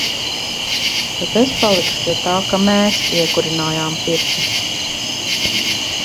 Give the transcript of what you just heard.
Bet es palikšu pie tā, ka "mēs" iekurinājām pirti.